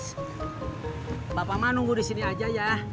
dis bapak ma nunggu di sini aja ya